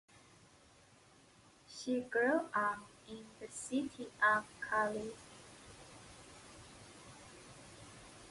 She grew up in the city of Cali.